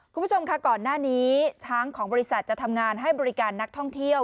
คุณผู้ชมค่ะก่อนหน้านี้ช้างของบริษัทจะทำงานให้บริการนักท่องเที่ยว